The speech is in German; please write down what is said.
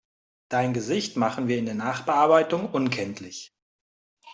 Dein Gesicht machen wir in der Nachbearbeitung unkenntlich.